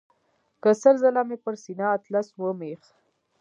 که سل ځله مې پر سینه اطلس ومیښ.